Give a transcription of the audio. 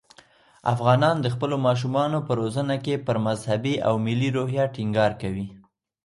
افغانان د خپلو ماشومانو په روزنه کې پر مذهبي او ملي روحیه ټینګار کوي.